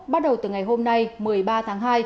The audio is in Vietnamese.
bắt đầu từ ngày hôm nay một mươi ba tháng hai